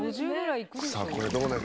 さあこれどうなるの？